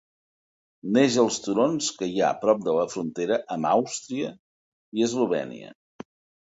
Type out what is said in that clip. Neix als turons que hi ha prop de la frontera amb Àustria i Eslovènia.